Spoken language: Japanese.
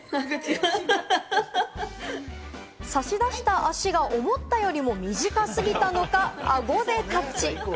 差し出した足が思ったよりも短すぎたのか、あごでタッチ。